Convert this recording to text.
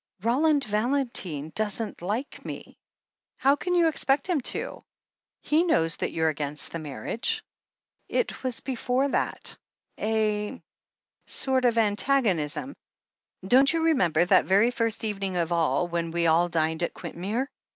Roland Valentine doesn't like me." "How can you expect him to, when he knows that you're against the marriage ?" "It was before that. A — a sort of antagonism Don't you remember that very first evening of all, when we all dined at Quintmere?"